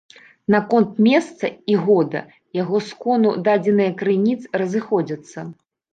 Наконт месца і года яго скону дадзеныя крыніц разыходзяцца.